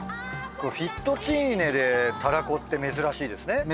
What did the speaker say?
フェットチーネでたらこって珍しいですね。